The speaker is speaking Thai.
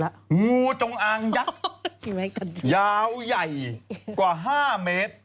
งูจงอางยักษ์ยาวใหญ่กว่า๕เมตร